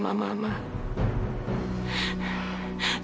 aku mau pergi